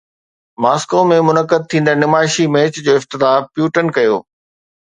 Moscow ۾ منعقد ٿيندڙ نمائشي ميچ جو افتتاح پيوٽن ڪيو